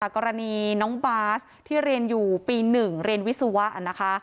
กรณีน้องบาสที่เรียนอยู่ปี๑เรียนวิศวะนะคะ